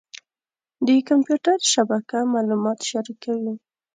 د کمپیوټر شبکه معلومات شریکوي.